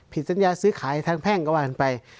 ผิดสัญญาซื้อขายทางแพ่งก็ว่ากันไป